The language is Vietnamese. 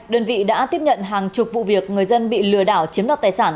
cảnh sát đã tiếp nhận hàng chục vụ việc người dân bị lừa đảo chiếm đoạt tài sản